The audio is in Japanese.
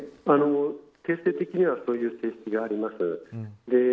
性質としてはそういう性質があります。